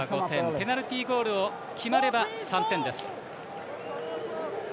ペナルティゴールが決まれば３点です。